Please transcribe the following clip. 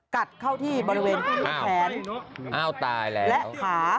กัดเข้าที่บริเวณแขนอ้าวตายแล้วขา